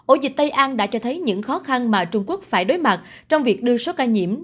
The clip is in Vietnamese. ổ dịch tây an đã cho thấy những khó khăn mà trung quốc phải đối mặt trong việc đưa số ca nhiễm